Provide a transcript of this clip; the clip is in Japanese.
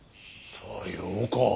さようか。